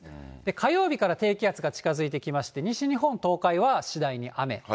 火曜日から低気圧が近づいてきまして、西日本、東海は次第に雨。